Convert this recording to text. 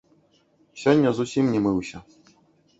Сёння зусім не мыўся.